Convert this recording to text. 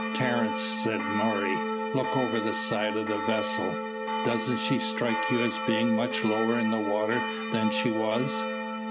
"Terence," said Murray, "look over the side of the vessel; doesn't she strike you as being much lower in the water than she was?"